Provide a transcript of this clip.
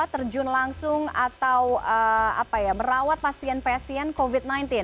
terjun langsung atau merawat pasien pasien covid sembilan belas